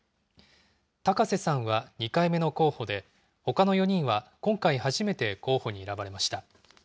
高瀬さんは２回目の候補で、ほかの４人は今回初めて候補に選ばれました。